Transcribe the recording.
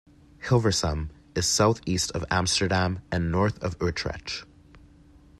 Hilversum is south-east of Amsterdam and north of Utrecht.